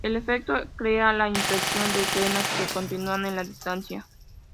El efecto crea la impresión de escenas que continúan en la distancia.